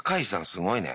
すごいね。